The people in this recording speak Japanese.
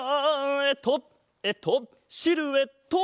えっとえっとシルエット！